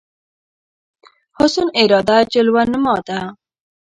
حسن اراده جلوه نما ده